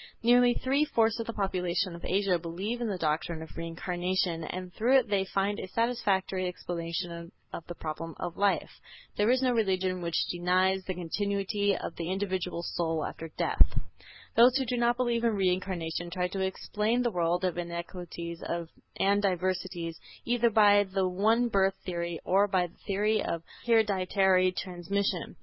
Nearly three fourths of the population of Asia believe in the doctrine of Reincarnation, and through it they find a satisfactory explanation of the problem of life. There is no religion which denies the continuity of the individual soul after death. Those who do not believe in Reincarnation try to explain the world of inequalities and diversities either by the one birth theory or by the theory of hereditary transmission.